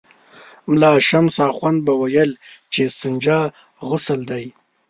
ملا شمس اخند به ویل چې استنجا غسل دی.